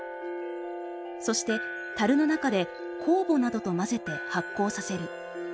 そしてたるの中で酵母などと混ぜて発酵させる。